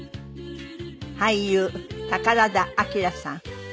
俳優宝田明さん。